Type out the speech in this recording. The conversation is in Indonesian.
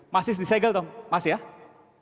masih disegel dong mas ya